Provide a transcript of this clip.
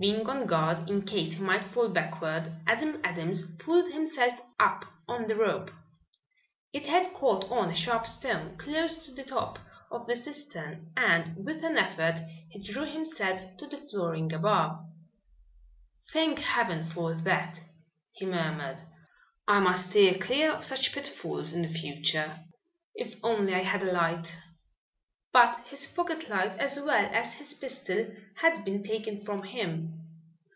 Being on guard, in case he might fall backward, Adam Adams pulled himself up on the rope. It had caught on a sharp stone close to the top of the cistern and with an effort he drew himself to the flooring above. "Thank Heaven for that," he murmured. "I must steer clear of such pitfalls in the future. If only I had a light!" But his pocket light as well as his pistol had been taken from him.